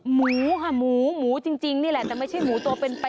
หมูค่ะหมูหมูจริงนี่แหละแต่ไม่ใช่หมูตัวเป็นไป